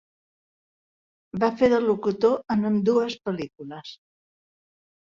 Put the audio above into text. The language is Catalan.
Va fer de locutor en ambdues pel·lícules.